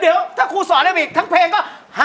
เดี๋ยวเธอครูอาทิตย์ด้วยทั้งเพลงก็